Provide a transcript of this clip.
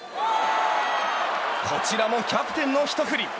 こちらもキャプテンのひと振り。